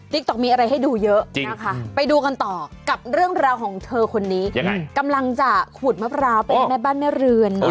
ต๊อกมีอะไรให้ดูเยอะนะคะไปดูกันต่อกับเรื่องราวของเธอคนนี้ยังไงกำลังจะขูดมะพร้าวเป็นแม่บ้านแม่เรือน